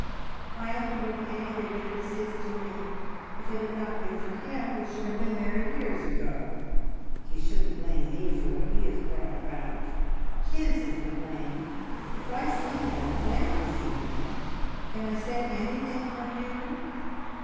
"My uncle will be angry, but it is his doing. If it had not been for him, we should have been married years ago. He shouldn't blame me for what he has brought about. His is the blame. If I see him when I see him can I say anything from you?"